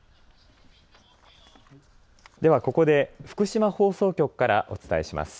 ではここで福島放送局からお伝えします。